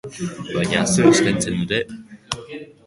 Baina zer eskaintzen dute?